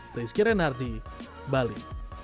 rizky renardi bali